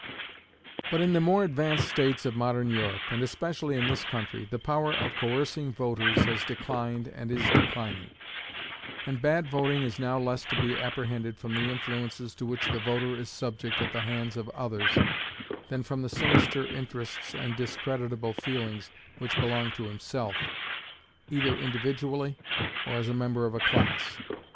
But in the more advanced states of modern Europe, and especially in this country, the power of coercing voters has declined and is declining; and bad voting is now less to be apprehended from the influences to which the voter is subject at the hands of others, than from the sinister interests and discreditable feelings which belong to himself, either individually or as a member of a class.